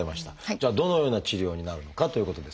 じゃあどのような治療になるのかということですが。